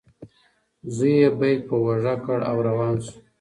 زوی یې بیک په اوږه کړ او روان شو.